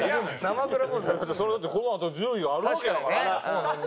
だってこのあと１０位があるわけだから。